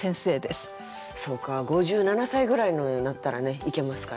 そうか５７歳ぐらいになったらねいけますかね？